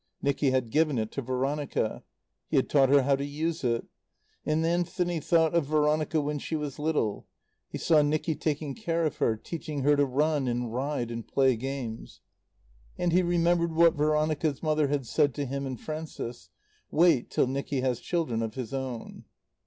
Nicky had given it to Veronica. He had taught her how to use it. And Anthony thought of Veronica when she was little; he saw Nicky taking care of her, teaching her to run and ride and play games. And he remembered what Veronica's mother had said to him and Frances: "Wait till Nicky has children of his own."